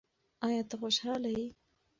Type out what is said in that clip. ایا ته خوشاله یې؟